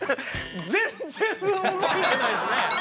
全然動いてないですね。